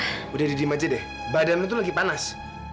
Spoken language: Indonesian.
hati hati aja deh badan lu lagi panas